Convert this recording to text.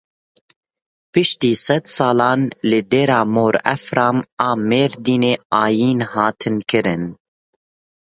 Piştî sed salan li Dêra Mor Efrem a Mêrdîn ayîn hat kirin.